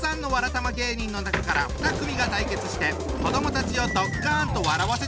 たま芸人の中から２組が対決して子どもたちをドッカンと笑わせちゃうぞ！